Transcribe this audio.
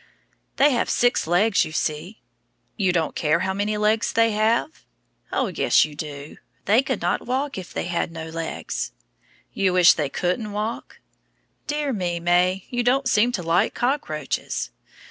They have six legs, you see. You don't care how many legs they have? Oh, yes, you do. They could not walk if they had no legs. You wish they couldn't walk? Dear me, May; you don't seem to like cockroaches.